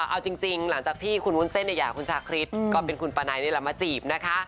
เอาจริงหลังจากที่คุณวุ้นเส้นหย่าคุณชาคริสก็เป็นคุณปาไนนี่แหละมาจีบนะคะ